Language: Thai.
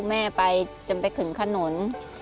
แม่ไปจนไปถึงถนน